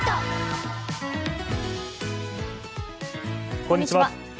こんにちは。